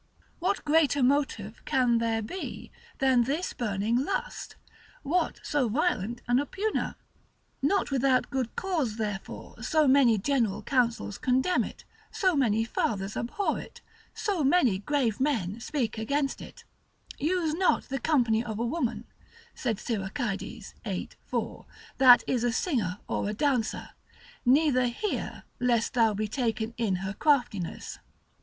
What greater motive can there be than this burning lust? what so violent an oppugner? Not without good cause therefore so many general councils condemn it, so many fathers abhor it, so many grave men speak against it; Use not the company of a woman, saith Siracides, 8. 4. that is a singer, or a dancer; neither hear, lest thou be taken in her craftiness.